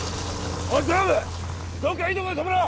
おいドラムどっかいいとこでとめろ！